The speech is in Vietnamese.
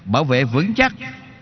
bảo vệ vững chắc